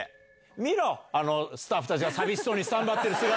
見ろ、あのスタッフたちが寂しそうにスタンバってる姿。